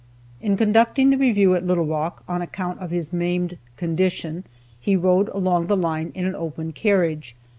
In conducting the review at Little Rock, on account of his maimed condition he rode along the line in an open carriage.